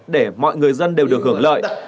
để mọi người dân đều được hưởng lợi